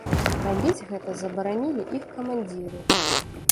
Рабіць гэта забаранілі іх камандзіры.